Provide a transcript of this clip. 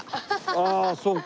ああそうか。